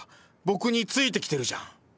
僕についてきてるじゃん。